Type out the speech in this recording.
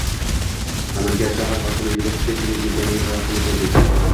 Namangan shahar hokimi velosiped minib yurganini rasmini ko‘rdik